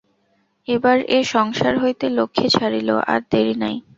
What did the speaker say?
এবার এ সংসার হইতে লক্ষ্মী ছাড়িল, আর দেরি নাই।